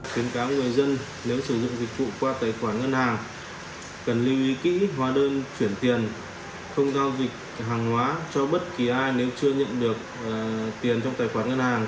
khuyến cáo người dân nếu sử dụng dịch vụ qua tài khoản ngân hàng cần lưu ý kỹ hóa đơn chuyển tiền không giao dịch hàng hóa cho bất kỳ ai nếu chưa nhận được tiền trong tài khoản ngân hàng